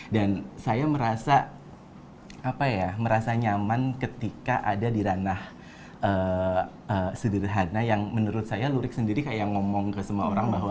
dan saya merasa apa ya merasa nyaman ketika ada di ranah sederhana yang menurut saya lurik sendiri kayak ngomong ke semua orang bahwa